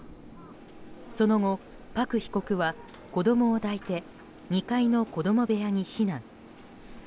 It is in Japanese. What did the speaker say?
その後、パク被告は子供を抱いて２階の子供部屋に避難。